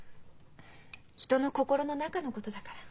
人の心の中のことだから。